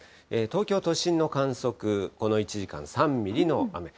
東京都心の観測、この１時間、３ミリの雨。